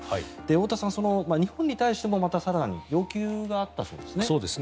太田さん、日本に対してもまた更に要求があったそうですね。